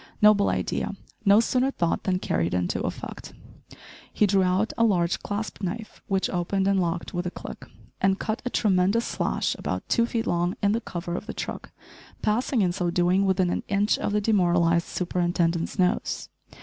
Noble idea! No sooner thought than carried into effect. He drew out a large clasp knife, which opened and locked with a click, and cut a tremendous slash about two feet long in the cover of the truck passing, in so doing, within an inch of the demoralised superintendent's nose.